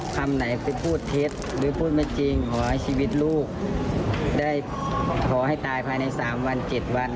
ขอให้ชีวิตลูกได้ขอให้ตายภายใน๓วัน๗วัน